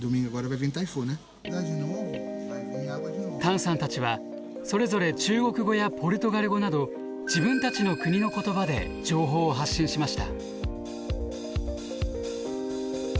譚さんたちはそれぞれ中国語やポルトガル語など自分たちの国の言葉で情報を発信しました。